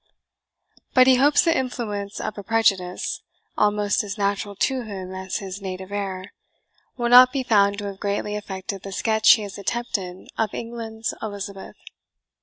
But he hopes the influence of a prejudice, almost as natural to him as his native air, will not be found to have greatly affected the sketch he has attempted of England's Elizabeth.